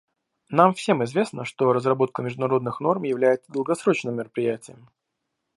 Нам всем известно, что разработка международных норм является долгосрочным мероприятием.